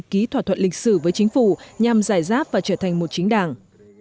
ký thỏa thuận lịch sử với chính phủ nhằm giải giáp và trở thành một chính đảng